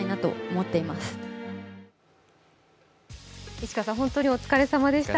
石川さん、本当にお疲れさまでした。